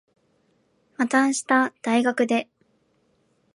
また明日、大学で。